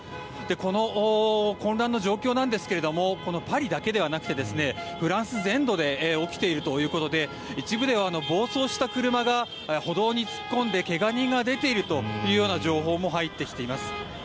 この混乱の状況なんですがパリだけではなくてフランス全土で起きているということで一部では暴走した車が歩道に突っ込んで怪我人が出ているというような情報も入ってきています。